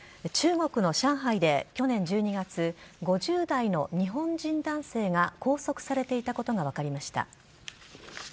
中国の上海で去年１２月５０代の日本人男性が拘束されていたことが分かりました。